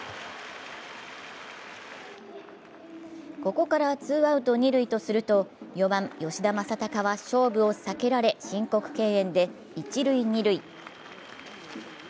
ここからツーアウト二塁とすると、４番・吉田正尚は勝負を避けられ申告敬遠で一塁・二塁。